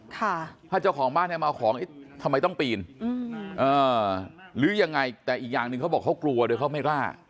ถ้าเจ้าของบ้านเนี่ยมาเอาของทำไมต้องปีนหรือยังไงแต่อีกอย่างหนึ่งเขาบอกเขากลัวโดยเขาไม่กล้า